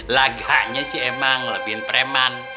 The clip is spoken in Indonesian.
laganya sih emang lebih preman